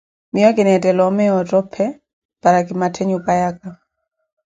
Miiyo kinetthela omeya ottophe para ki matthe nyupayaka.